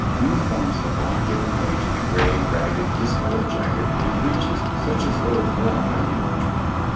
Uniforms had long given way to the gray, ragged, dis colored jacket and breeches such as those worn by the infantry.